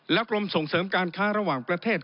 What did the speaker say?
กรมส่งเสริมการค้าระหว่างประเทศ